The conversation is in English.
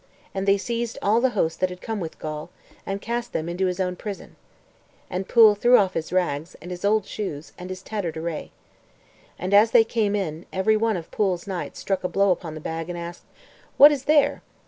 And they seized all the host that had come with Gawl, and cast them into his own prison. And Pwyll threw off his rags, and his old shoes, and his tattered array. And as they came in, every one of Pwyll's knights struck a blow upon the bag, and asked, "What is here?"